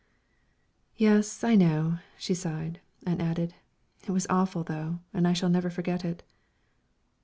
"Yes, I know." She sighed, and added, "It was awful, though, and I shall never forget it."